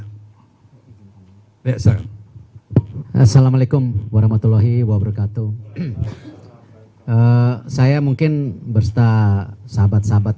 hai besok assalamualaikum warahmatullahi wabarakatuh saya mungkin bersta sahabat sahabat